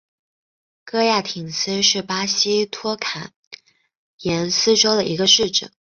戈亚廷斯是巴西托坎廷斯州的一个市镇。